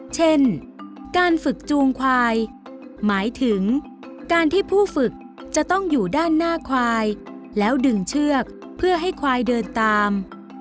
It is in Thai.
เช่นการฝึกจูงควายหมายถึงการที่ผู้ฝึกจะต้องอยู่ด้านหน้าควายแล้วดึงเชือกเพื่อให้ควายเดินตาม